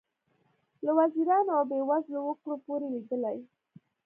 له وزیرانو او بې وزلو وګړو پورې لیدلي.